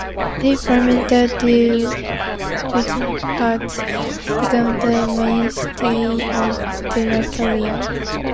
They formed the duo which has become the mainstay of their career.